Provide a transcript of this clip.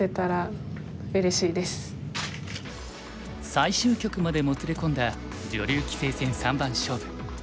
最終局までもつれ込んだ女流棋聖戦三番勝負。